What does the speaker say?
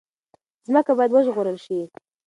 ځمکه باید وژغورل شي.